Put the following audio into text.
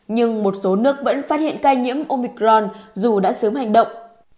nhưng một số nước vẫn phát hiện ca nhiễm omicron dù đã sớm hành động